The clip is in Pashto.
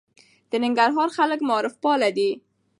د ننګرهار خلک معارف پاله دي.